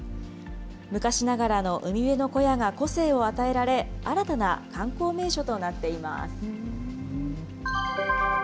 昔ながらの海辺の小屋が個性を与えられ、新たな観光名所となっています。